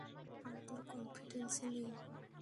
আর তোর কনফিডেন্সই নেই।